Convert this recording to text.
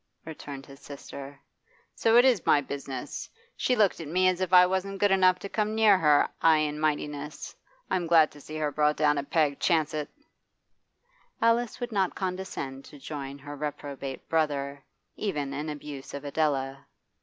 returned his sister. 'So it is my business. She looked at me as if I wasn't good enough to come near her 'igh and mightiness. I'm glad to see her brought down a peg, chance it!' Alice would not condescend to join her reprobate brother, even in abuse of Adela.